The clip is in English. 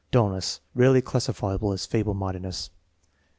Dullness, rarely classifiable as feeble mindedness.